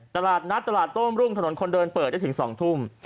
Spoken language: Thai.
ตลาดนัดตลาดโต้มรุ่งถนนคนเดินเปิดได้ถึง๒ทุ่ม